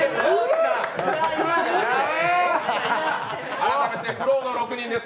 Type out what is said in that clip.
改めましてＦＬＯＷの６人です。